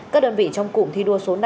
các đơn vị trong cụm thi đua số năm